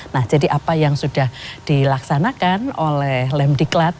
nah jadi apa yang sudah dilaksanakan oleh lem diklat